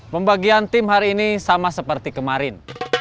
pembagian tim hari ini sama seperti kemarin